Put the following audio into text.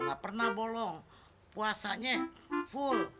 gak pernah bolong puasanya full